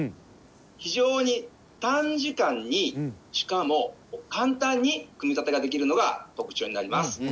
非常に短時間にしかも簡単に組み立てができるのが特徴になります。